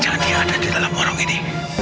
yang dia ada di dalam warung ini